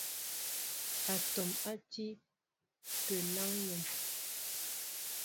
Atɔm á ti á pəláŋ myēn.